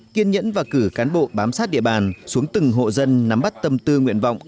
kiên nhẫn và cử cán bộ bám sát địa bàn xuống từng hộ dân nắm bắt tâm tư nguyện vọng